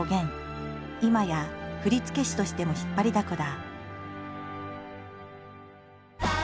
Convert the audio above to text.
いまや振付師としても引っ張りだこだ。